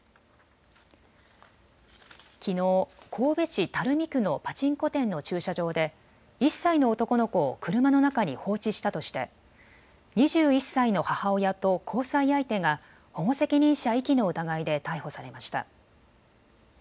きのう神戸市垂水区のパチンコ店の駐車場で、１歳の男の子を車の中に放置したとして２１歳の母親と交際相手が保護責任者遺棄の疑いで逮捕されました。